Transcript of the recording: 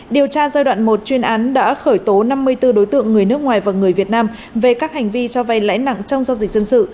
điều tra giai đoạn một chuyên án đã khởi tố năm mươi bốn đối tượng người nước ngoài và người việt nam về các hành vi cho vay lãi nặng trong giao dịch dân sự